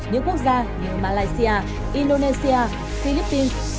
những quốc gia như malaysia indonesia philippines